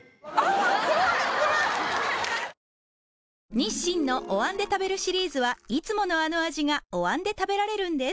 日清のお椀で食べるシリーズはいつものあの味がお椀で食べられるんです